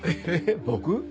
僕？